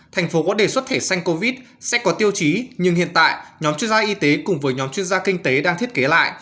thành phố có đề xuất thể xanh covid sẽ có tiêu chí nhưng hiện tại nhóm chuyên gia y tế cùng với nhóm chuyên gia kinh tế đang thiết kế lại